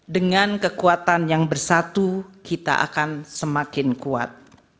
dengan kekuatan yang bersatu kita akan semakin kuat